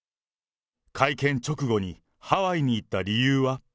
会見直後にハワイに行った理由は？